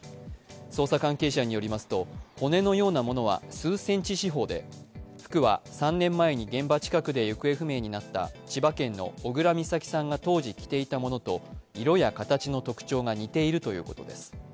捜査関係者によりますと、骨のようなものは数センチ四方で服は３年前に現場近くで行方不明になった千葉県の小倉美咲さんが当時着ていたものと色や形の特徴が似ているということです。